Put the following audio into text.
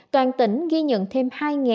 toàn tỉnh ghi nhận thêm hai tám trăm linh